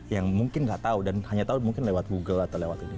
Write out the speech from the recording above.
yang mungkin gak tau dan hanya tau mungkin lewat google atau lewat ini